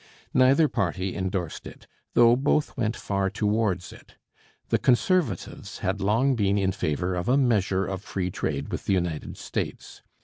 Neither party endorsed it, though both went far towards it. The Conservatives had long been in favour of a measure of free trade with the United States.